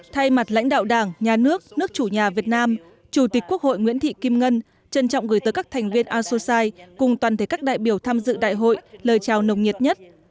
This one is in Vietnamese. thay mặt lãnh đạo đảng nhà nước nước chủ nhà việt nam chủ tịch quốc hội nguyễn thị kim ngân trân trọng gửi tới các thành viên asosai cùng toàn thể các đại biểu tham dự đại hội lời chào nồng nhiệt nhất